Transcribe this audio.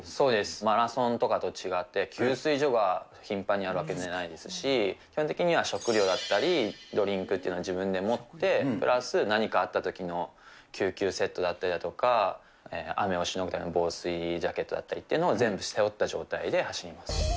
マラソンとかと違って、給水所が頻繁にあるわけじゃないですし、基本的には食料だったり、ドリンクっていうのは自分で持って、プラス何かあったときの救急セットだったりだとか、雨をしのぐための防水ジャケットだったりっていうのを、全部背負った状態で走ります。